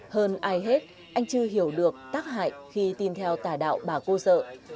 hơn ai hết anh chưa hiểu được tác hại khi tin theo tà đạo bà cô sợ